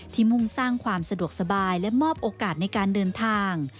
มุ่งสร้างความสะดวกสบายและมอบโอกาสในการเดินทาง